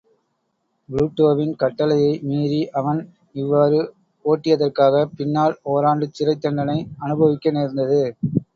புளுட்டோவின் கட்டடளையை மீறி அவன் இவ்வாறு ஓட்டியதற்காகப் பின்னால் ஓராண்டுச் சிறைத்தண்டனை அநுபவிக்க நேர்ந்தது.